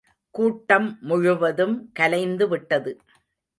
கூட்டம் முழுவதும் கலைந்து விட்டது.